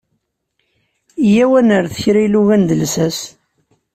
Yya-w ad nerret kra ilugan deg llsas.